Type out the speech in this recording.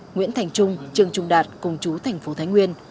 nguyễn thành trung trường trung đạt cùng chú thành phố thái nguyên